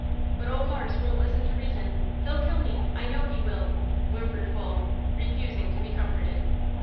But ole marse won't listen to reason. He kill me, I know he will!" whimpered Wool, refusing to be comforted.